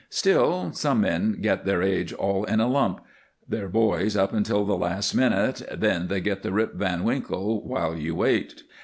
Still, some men get their age all in a lump; they're boys up till the last minute, then they get the Rip Van Winkle while you wait.